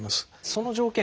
その条件